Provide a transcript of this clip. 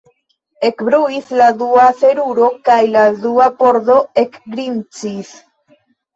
Ekbruis la dua seruro, kaj la dua pordo ekgrincis.